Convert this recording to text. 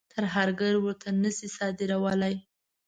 ترهګر ورته نه شي صادرولای.